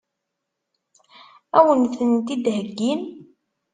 Ad wen-tent-id-heggin?